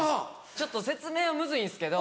ちょっと説明はムズいんすけど。